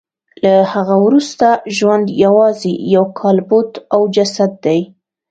له هغه وروسته ژوند یوازې یو کالبد او جسد دی